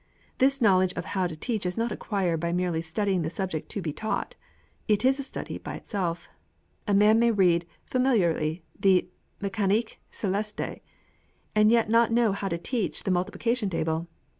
This knowledge of how to teach is not acquired by merely studying the subject to be taught. It is a study by itself. A man may read familiarly the Mechanique Celeste, and yet not know how to teach the multiplication table.